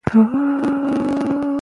ساده ژوند غوره ژوند دی.